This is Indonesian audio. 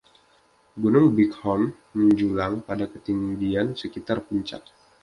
Gunung Bighorn menjulang pada ketinggian sekitar puncak.